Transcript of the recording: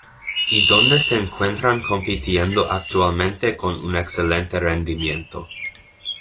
Y donde se encuentran compitiendo actualmente con un excelente rendimiento.